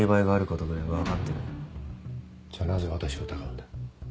じゃあなぜ私を疑うんだ。